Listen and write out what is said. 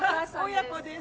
親子です。